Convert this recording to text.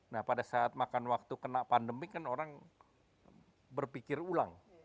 nah pada saat makan waktu kena pandemi kan orang berpikir ulang